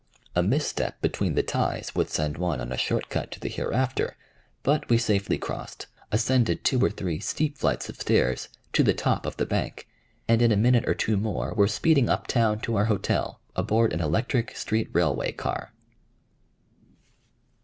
A misstep between the ties would send one on a short cut to the hereafter, but we safely crossed, ascended two or three steep flights of stairs to the top of the bank, and in a minute or two more were speeding up town to our hotel, aboard an electric street railway car.